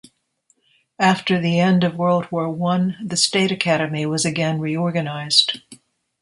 After the end of World War One, the State Academy was again reorganized.